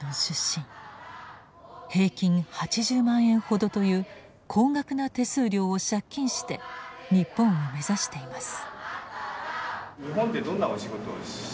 平均８０万円ほどという高額な手数料を借金して日本を目指しています。